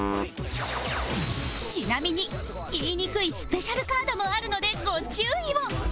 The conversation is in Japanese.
ちなみに言いにくいスペシャルカードもあるのでご注意を